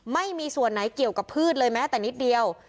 ไม่มีส่วนไหนเกี่ยวกับพืชเลยแม้แต่นิดเดียว